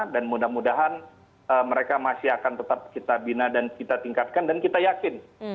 dan mudah mudahan mereka masih akan tetap kita bina dan kita tingkatkan dan kita yakin